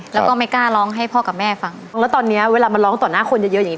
แล้วก็ไม่กล้าร้องให้พ่อกับแม่ฟังแล้วตอนเนี้ยเวลามันร้องต่อหน้าคนเยอะเยอะอย่างเ